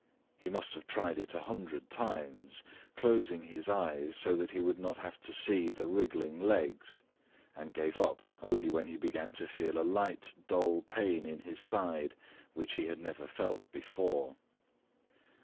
He must have tried it a hundred times, closing his eyes so that he would not have to see the wriggling legs, and gave up only when he began to feel a light, dull pain in his side which he had never felt before.